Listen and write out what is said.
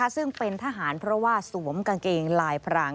ซึ่งเป็นทหารเพราะว่าสวมกางเกงลายพราง